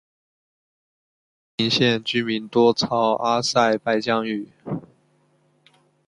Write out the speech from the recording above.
胡达费林县居民多操阿塞拜疆语。